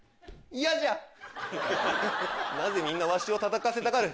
なぜみんなわしを戦わせたがる？